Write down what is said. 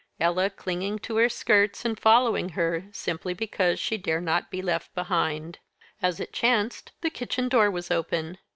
Ella clinging to her skirts and following her, simply because she dare not be left behind. As it chanced, the kitchen door was open.